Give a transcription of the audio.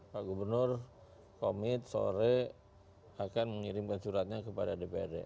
pak gubernur komit sore akan mengirimkan suratnya kepada dprd